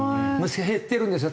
減ってるんですよ。